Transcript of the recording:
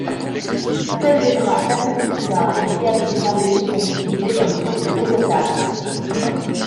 Seuls les bras Taquecetuba et Riacho Grande sont utilisés comme sources d'eau potable.